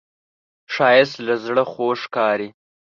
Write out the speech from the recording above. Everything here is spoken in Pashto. ښایست له زړه خوږ ښکاري